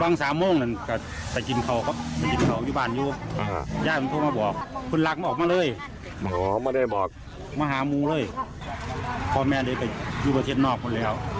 นี่คุณตาคุณยายก็เสียใจแล้ว